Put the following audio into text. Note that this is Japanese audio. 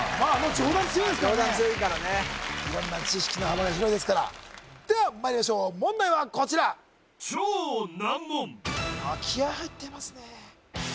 上段強いからね色んな知識の幅が広いですからではまいりましょう問題はこちら気合い入ってますね